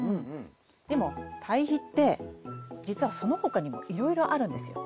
でも堆肥って実はその他にもいろいろあるんですよ。